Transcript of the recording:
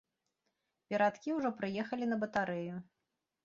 Перадкі ўжо прыехалі на батарэю.